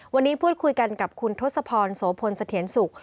วันนี้พูดคุยกันกับคุณทศพรโสพลเสถียรสุข